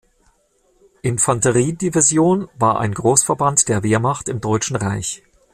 Infanterie-Division war ein Großverband der Wehrmacht im Deutschen Reich.